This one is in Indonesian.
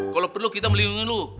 kalau perlu kita melindungi dulu